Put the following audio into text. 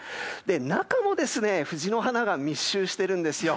中も藤の花が密集しているんですよ。